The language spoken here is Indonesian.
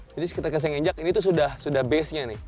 jadi kita kasih nginjak ini tuh sudah base nya nih